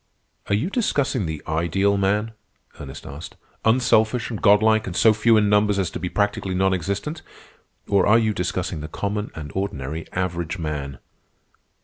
"Are you discussing the ideal man?" Ernest asked, "—unselfish and godlike, and so few in numbers as to be practically non existent, or are you discussing the common and ordinary average man?"